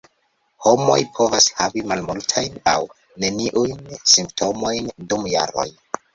Homoj povas havi malmultajn aŭ neniujn simptomojn dum jaroj.